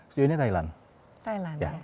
sejauh ini thailand thailand